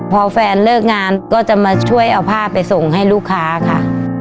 พอแฟนเลิกงานก็จะมาช่วยเอาผ้าไปส่งให้ลูกค้าค่ะ